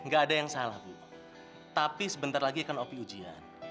gak ada yang salah bu tapi sebentar lagi akan op ujian